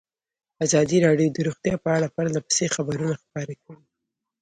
ازادي راډیو د روغتیا په اړه پرله پسې خبرونه خپاره کړي.